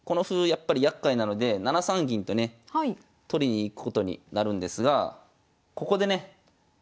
やっぱりやっかいなので７三銀とね取りに行くことになるんですがここでね８八飛車と。